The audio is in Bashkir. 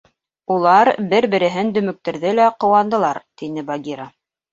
Улар бер-береһен дөмөктөрҙө лә ҡыуандылар, — тине Багира.